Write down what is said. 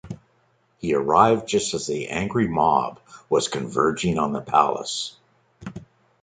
He arrived just as the angry mob was converging on the palace.